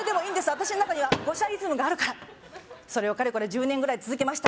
私の中には五社イズムがあるからそれをかれこれ１０年ぐらい続けました